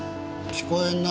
聞こえんな。